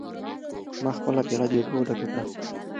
ما خپله پیاله د اوبو ډکه کړه.